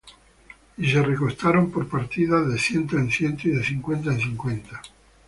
Y se recostaron por partidas, de ciento en ciento, y de cincuenta en cincuenta.